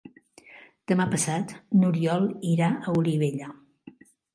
Demà passat n'Oriol irà a Olivella.